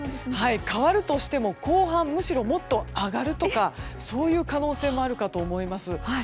変わるとしても後半むしろもっと上がるとかそういう可能性もあるかと思います。